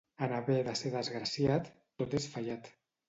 En haver de ser desgraciat, tot és fallat.